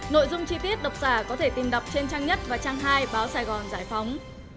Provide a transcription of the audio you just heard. nội dung chi tiết độc giả có thể tìm đọc trên trang nhất và trang hai báo sài gòn giải phóng